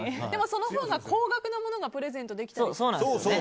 そのほうが高額なものがプレゼントできたりしますよね。